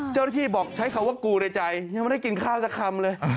เจ้าหน้าที่บอกใช้คำว่ากูในใจยังไม่ได้กินข้าวสักคำเลย